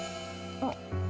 あっ。